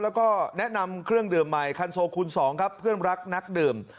แล้วก็แนะนำเครื่องดื่มใหม่คันโซคูณ๒ครับเพื่อนรักนักดื่ม